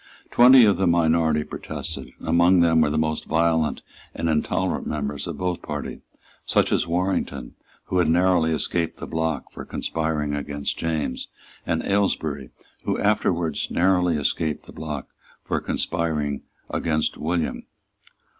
Twenty of the minority protested, and among them were the most violent and intolerant members of both parties, such as Warrington, who had narrowly escaped the block for conspiring against James, and Aylesbury, who afterwards narrowly escaped the block for conspiring against William.